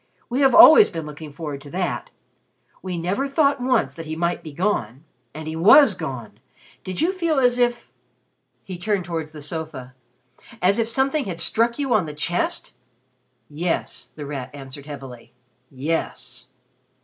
We have always been looking forward to that. We never thought once that he might be gone. And he was gone. Did you feel as if " he turned towards the sofa, "as if something had struck you on the chest?" "Yes," The Rat answered heavily. "Yes."